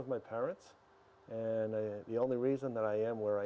dan apa pertanyaan yang kamu hadapi